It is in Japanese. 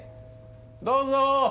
どうぞ！